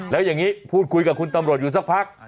แล้วอย่างนี้พูดคุยกับคุณตำรวจอยู่สักพัก